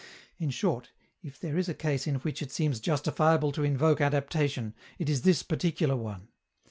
In short, if there is a case in which it seems justifiable to invoke adaptation, it is this particular one.